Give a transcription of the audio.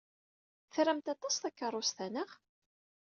Tramt aṭas takeṛṛust-a, naɣ?